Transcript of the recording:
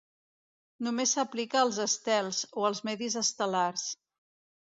Només s'aplica als estels, o els medis estel·lars.